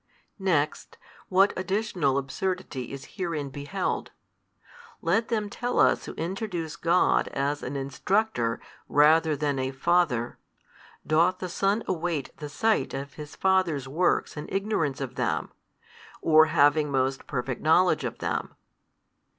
Next, what additional absurdity is herein beheld? Let them tell us who introduce God as an Instructer rather than a Father, Doth the Son await the sight of His Father's works in ignorance of them, or having most perfect knowledge of them?